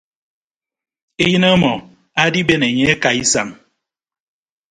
Eyịn ọmọ adiben enye akaaisañ.